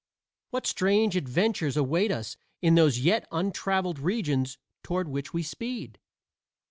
What strange adventures await us in those yet untraveled regions toward which we speed?